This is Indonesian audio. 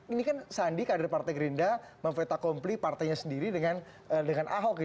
ini kan sandi kader partai gerinda memvetakompli partainya sendiri dengan ahok